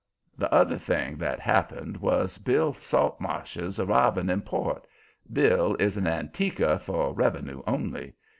The other thing that happened was Bill Saltmarsh's arriving in port. Bill is an "antiquer" for revenue only.